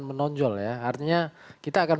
menonjol ya artinya kita akan